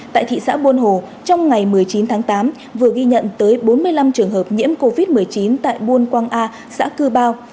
tại thị xã buôn hồ trong ngày một mươi chín tháng tám vừa ghi nhận tới bốn mươi năm trường hợp nhiễm covid một mươi chín tại buôn quang a xã cư bao